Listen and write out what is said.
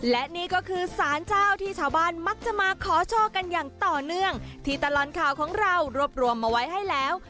และนี่ก็คือสารเจ้าที่ชาวบ้านมักจะมาขอโชคกันอย่างต่อเนื่องที่ตลอดข่าวของเรารวบรวมมาไว้ให้แล้ว